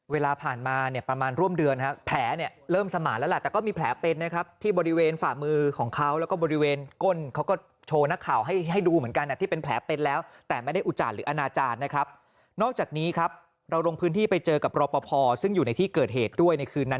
เวลาผ่านมาเนี่ยประมาณร่วมเดือนแผลนี่เริ่มสมาร์ทแล้วแต่